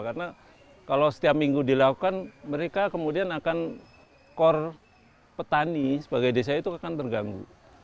karena kalau setiap minggu dilakukan mereka kemudian akan core petani sebagai desa itu akan terganggu